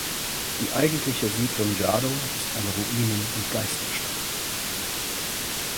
Die eigentliche Siedlung Djado ist eine Ruinen- und Geisterstadt.